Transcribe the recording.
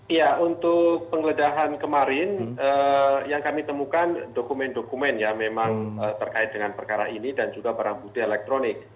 iya untuk penggeledahan kemarin yang kami temukan dokumen dokumen ya memang terkait dengan perkara ini dan juga barang bukti elektronik